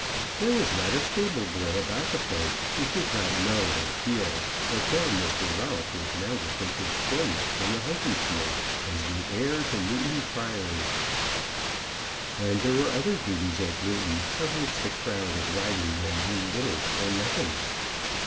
There was not a stable boy about the place who did not know and feel that their Mr. Ralph was now to take his place in the hunting field as the heir to Newton Priory. And there were other duties at Newton of which the crowd of riding men know little or nothing.